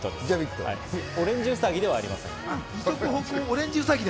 オレンジウサギではありません。